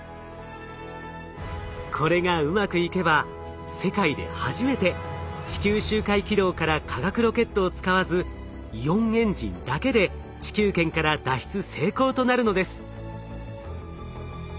これがうまくいけば世界で初めて地球周回軌道から化学ロケットを使わずイオンエンジンだけで地球圏から脱出成功となるのです。